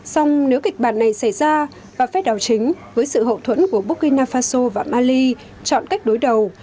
song nếu kịch bản này xảy ra và phép đảo chính với sự hậu thuẫn của burkina faso và mali chọn cách đối đầu